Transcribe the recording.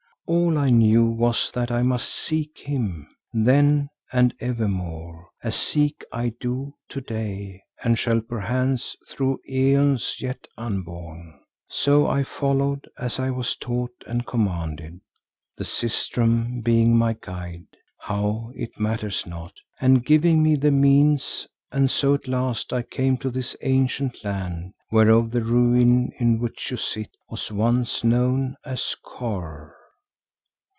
All I knew was that I must seek him, then and evermore, as seek I do to day and shall perchance through æons yet unborn. So I followed, as I was taught and commanded, the sistrum being my guide, how it matters not, and giving me the means, and so at last I came to this ancient land whereof the ruin in which you sit was once known as Kôr."